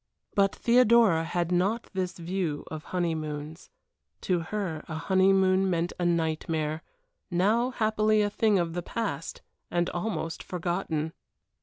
But Theodora had not this view of honeymoons. To her a honeymoon meant a nightmare, now happily a thing of the past, and almost forgotten.